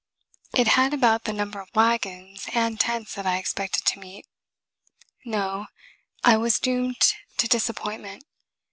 It had about the number of wagons and tents that I expected to meet. No; I was doomed to disappointment.